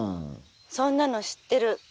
「そんなの知ってる。